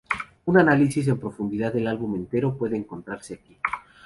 Un análisis en profundidad del álbum entero puede encontrarse aquí.